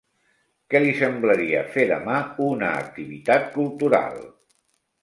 Què li semblaria fer demà una activitat cultural?